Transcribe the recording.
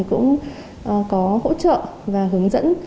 cũng có hỗ trợ và hướng dẫn